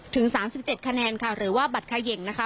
ถึง๓๗คะแนนค่ะหรือว่าบัตรเขย่งนะคะ